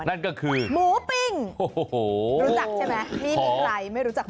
นั่นก็คือหมูปิ้งรู้จักใช่ไหมไม่รู้จัก